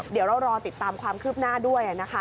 เดี๋ยวเรารอติดตามความคืบหน้าด้วยนะคะ